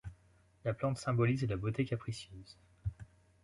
La plante symbolise la beauté capricieuse.